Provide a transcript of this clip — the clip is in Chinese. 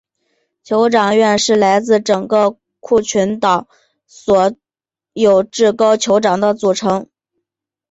酋长院是来自整个库克群岛所有至高酋长的组成。